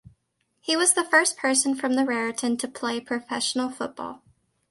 He was the first person from Raritan to play professional football.